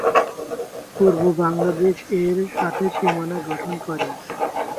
পূর্ব বাংলাদেশ এর সাথে সীমানা গঠন করে।